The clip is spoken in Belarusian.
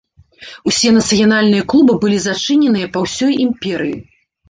Усе нацыянальныя клубы былі зачыненыя па ўсёй імперыі.